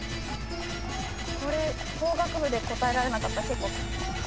これ法学部で答えられなかったら結構。